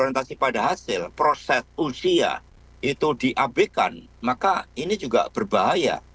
orientasi pada hasil proses usia itu diabekan maka ini juga berbahaya